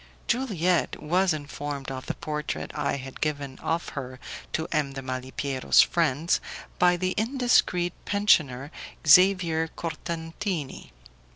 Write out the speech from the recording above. Juliette was informed of the portrait I had given of her to M. de Malipiero's friends by the indiscreet pensioner, Xavier Cortantini.